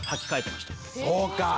そうか！